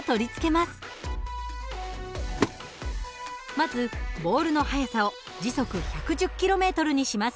まずボールの速さを時速１１０ｋｍにします。